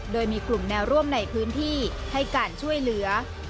โดยมีกลุ่มแนวร่วมในพื้นที่ให้การช่วยเหลือ